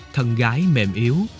thân gái mềm yếu